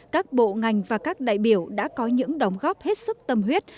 các bộ ngành và các đại biểu đã có những đóng góp hết sức tâm huyết